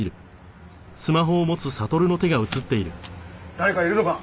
誰かいるのか！？